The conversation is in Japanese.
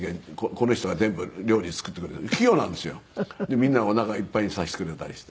みんなおなかいっぱいにさせてくれたりして。